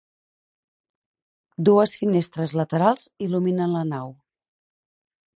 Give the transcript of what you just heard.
Dues finestres laterals il·luminen la nau.